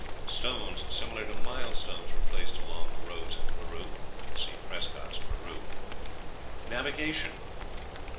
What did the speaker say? Stones similar to mile stones were placed along the roads in Peru. (See Prescott's "Peru,") Navigation.